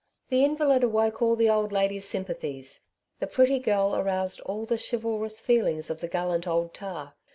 The invalid awoke all the old lady's sympathies ; the pretty girl aroused all the chivalrous feelings of the gallant old tar.